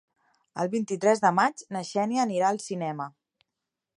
El vint-i-tres de maig na Xènia anirà al cinema.